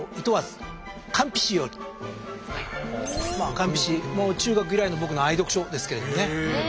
「韓非子」中学以来の僕の愛読書ですけれどもね。